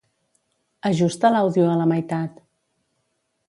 Ajusta l'àudio a la meitat.